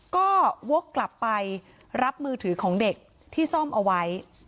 ก็วกกลับไปรับมือถือของเด็กที่ซ่อมเอาไว้